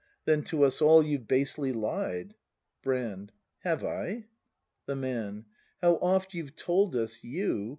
Then to us all you've basely lied. Brand. Havel ? The Man. How oft you've told us, you.